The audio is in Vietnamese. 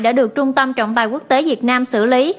đã được trung tâm trọng tài quốc tế việt nam xử lý